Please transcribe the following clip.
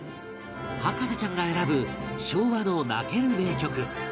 博士ちゃんが選ぶ昭和の泣ける名曲